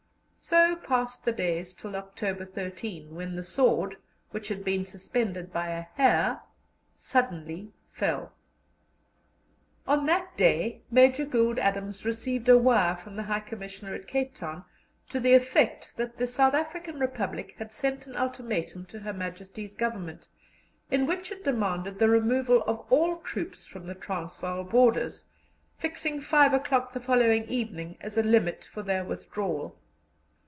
So passed the days till October 13, and then the sword, which had been suspended by a hair, suddenly fell. On that day Major Gould Adams received a wire from the High Commissioner at Cape Town to the effect that the South African Republic had sent an ultimatum to Her Majesty's Government, in which it demanded the removal of all troops from the Transvaal borders, fixing five o'clock the following evening as a limit for their withdrawal.